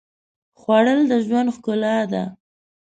خوړل د ژوند ښکلا ده